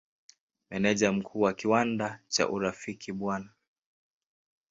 Meneja Mkuu wa kiwanda cha Urafiki Bw.